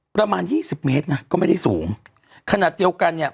ประมาณ๒๐เมตรนะก็ไม่ได้สูงขณะเดียวกันเนี่ย